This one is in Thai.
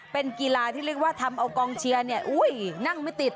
เป็นกีฬาที่เรียกว่าทำเอากองเชียร์เนี่ยนั่งไม่ติด